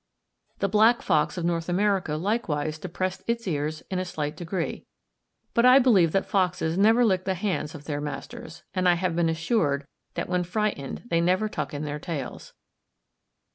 The black fox of North America likewise depressed its ears in a slight degree. But I believe that foxes never lick the hands of their masters, and I have been assured that when frightened they never tuck in their tails.